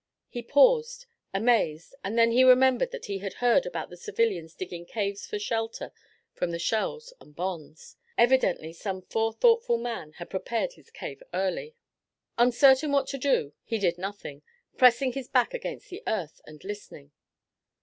He paused, amazed, and then he remembered that he had heard about the civilians digging caves for shelter from the shells and bombs. Evidently some forethoughtful man had prepared his cave early. Uncertain what to do he did nothing, pressing his back against the earth and listening.